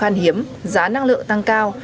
khán hiếm giá năng lượng tăng cao